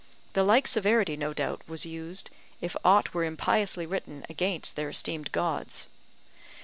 The like severity, no doubt, was used, if aught were impiously written against their esteemed gods.